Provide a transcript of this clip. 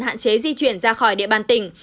hạn chế di chuyển ra khỏi địa bàn tỉnh